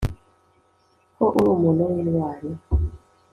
ko uri umuntu w'intwari